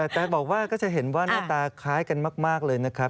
แต่บอกว่าก็จะเห็นว่าหน้าตาคล้ายกันมากเลยนะครับ